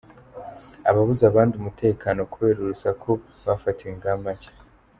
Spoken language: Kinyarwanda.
Ababuza abandi umutekano kubera urusaku bafatiwe ingamba nshya